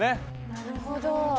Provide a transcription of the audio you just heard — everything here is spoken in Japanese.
なるほど。